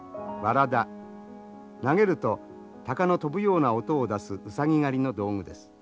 投げるとタカの飛ぶような音を出すウサギ狩りの道具です。